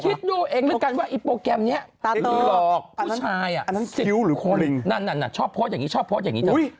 คิดดูเองด้วยกันว่าโปรแกรมนี้หรอกผู้ชายชอบโพสต์อย่างงี้ชอบโพสต์อย่างงี้